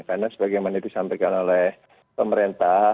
karena sebagaimana disampaikan oleh pemerintah